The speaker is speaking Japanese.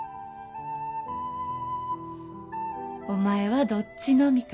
お前はどっちの味方？